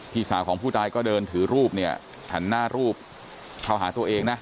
พี่สาวของผู้ตายก็เดินถือรูปเนี่ยหันหน้ารูปเข้าหาตัวเองนะ